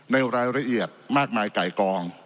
ในรายละเอียดมากมายไก่กอง